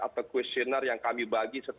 atau questionnaire yang kami bagi